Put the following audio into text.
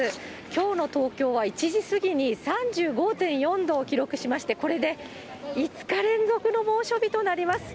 きょうの東京は１時過ぎに３５．４度を記録しまして、これで５日連続の猛暑日となります。